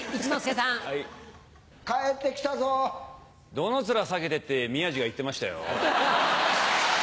「どの面下げて」って宮治が言ってましたよ。